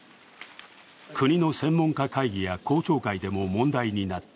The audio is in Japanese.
国の専門家会議や公聴会でも問題になった。